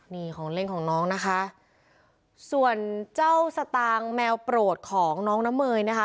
นี่ของเล่นของน้องนะคะส่วนเจ้าสตางค์แมวโปรดของน้องน้ำเมยนะคะ